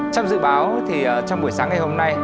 trong dự báo thì trong buổi sáng ngày hôm nay